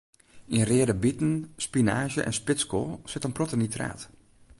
Yn reade biten, spinaazje en spitskoal sit in protte nitraat.